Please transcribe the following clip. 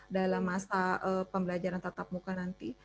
dalam masa pembelajaran tatap muka nanti